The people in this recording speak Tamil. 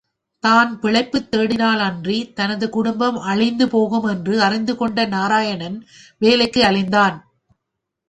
தான் பிழைப்புத் தேடினாலன்றி, தனது குடும்பம் அழிந்துபோகும் என்று அறிந்து கொண்ட நாராயணன் வேலைக்கு அலைந்தான்.